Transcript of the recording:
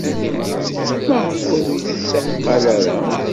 Maɣef ur d-yetteqqal ara?